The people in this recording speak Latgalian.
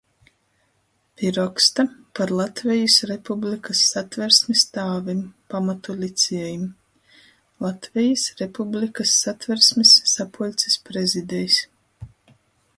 Pi roksta "Par Latvejis Republikys Satversmis tāvim, pamatu liciejim". Latvejis Republikys Satversmis sapuļcis prezidejs.